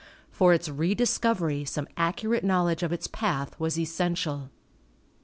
For its rediscovery some accurate knowledge of its path was essential.